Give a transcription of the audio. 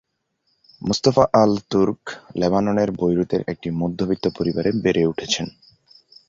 Mostafa Al Turk লেবাননের বৈরুতের একটি মধ্যবিত্ত পরিবারে বেড়ে উঠেছেন।